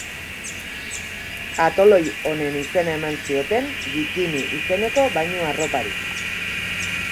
Atoloi honen izena eman zioten bikini izeneko bainu-arropari.